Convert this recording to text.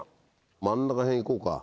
真ん中辺行こうか。